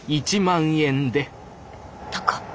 高っ！